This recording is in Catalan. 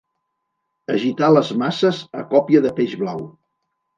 Agitar les masses a còpia de peix blau.